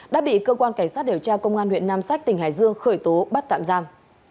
đã bị cơ quan cảnh sát điều tra công an huyện nam sách tỉnh hải dương khởi tố bắt tạm giam